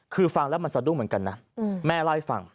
คือฟังแล้วมันสะดุ้งเหมือนกันนะแม่เล่าให้ฟัง